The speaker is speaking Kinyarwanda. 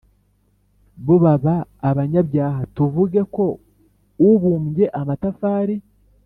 bo baba abanyabyaha Tuvuge ko ubumbye amatafari